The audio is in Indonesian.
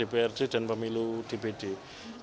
yang jelas berdasarkan pemilu dpr dprd dan pemilu dpd